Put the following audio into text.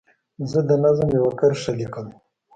زه د نظم یوه کرښه لیکم.